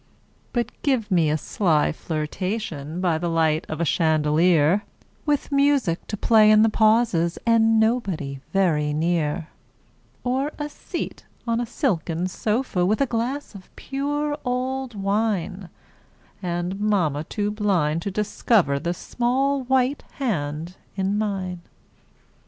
But give me a sly flirtation By the light of a chandelier With music to play in the pauses, And nobody very near; Or a seat on a silken sofa, With a glass of pure old wine, And mamma too blind to discover The small white hand in mine.